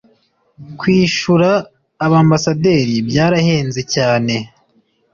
kwishura abambasaderi, byarahenze cyane